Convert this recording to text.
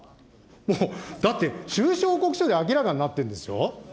もうだって、収支報告書で明らかになってるんですよ。